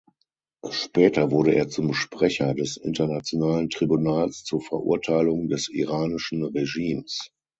Später wurde er zum Sprecher des Internationalen Tribunals zur Verurteilung des iranischen Regimes.